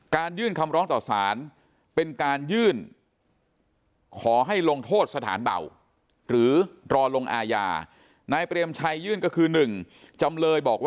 การยื่นคำร้องต่อศาลเป็นการยื่นขอให้ลงโทษสถานเบาหรือรอลงอายา